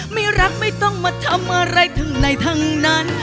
ไม่รักไม่ต้องมาทำอะไรทั้งในทั้งนั้น